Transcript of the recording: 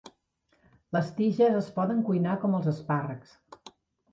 Les tiges es poden cuinar com els espàrrecs.